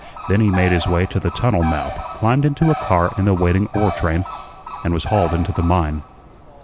Then he made his way to the tunnel mouth, climbed into a car in the waiting ore train, and was hauled into the mine.